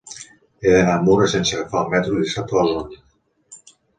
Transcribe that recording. He d'anar a Mura sense agafar el metro dissabte a les onze.